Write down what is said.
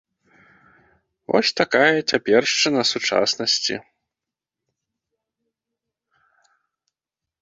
Вось такая цяпершчына сучаснасці.